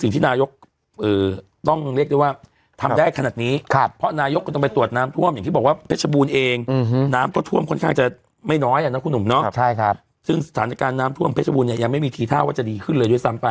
สถานการณ์น้ำท่วมเพชรบูรณ์ยังไม่มีทีท่าว่าจะดีขึ้นเลยด้วยซ้ำไป